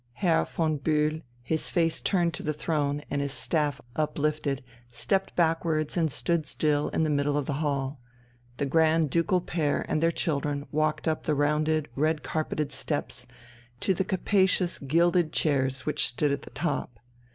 Herr von Bühl, his face turned to the throne and his staff uplifted, stepped backwards and stood still in the middle of the hall. The Grand Ducal pair and their children walked up the rounded, red carpeted steps to the capacious gilded chairs which stood at the top.